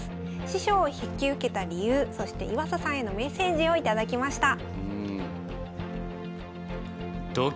師匠を引き受けた理由そして岩佐さんへのメッセージを頂きました。